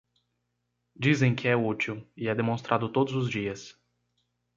Dizem que é útil e é demonstrado todos os dias.